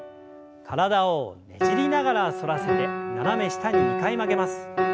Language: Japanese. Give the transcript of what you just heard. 体をねじりながら反らせて斜め下に２回曲げます。